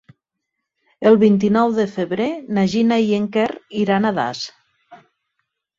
El vint-i-nou de febrer na Gina i en Quer iran a Das.